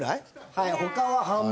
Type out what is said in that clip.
はい。